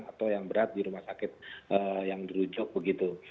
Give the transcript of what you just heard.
atau yang berat di rumah sakit yang dirujuk begitu